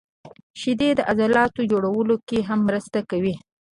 • شیدې د عضلاتو جوړولو کې هم مرسته کوي.